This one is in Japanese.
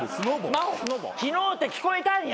「昨日」って聞こえたんや。